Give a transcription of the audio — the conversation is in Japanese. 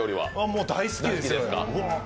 もう大好きです。